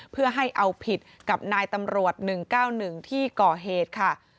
เพื่อให้เอาผิดกับนายตำรวจ๑๙๑ที่ก่อเหตุค่ะ